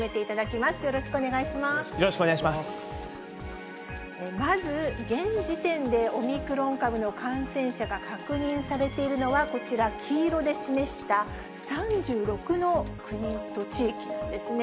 まず、現時点でオミクロン株の感染者が確認されているのはこちら、黄色で示した３６の国と地域ですね。